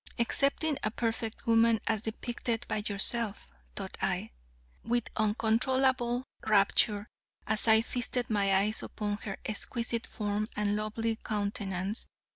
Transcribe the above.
"Excepting a perfect woman as depicted by yourself," thought I, with uncontrollable rapture, as I feasted my eyes upon her exquisite form and lovely countenance.